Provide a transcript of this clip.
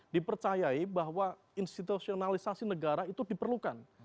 dipercayai bahwa institusionalisasi negara itu diperlukan